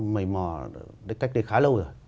mở cách đây khá lâu rồi